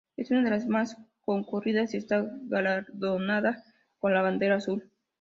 Es una de las más concurridas y está galardonada con la Bandera Azul.